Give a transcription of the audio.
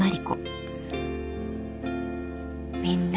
みんな。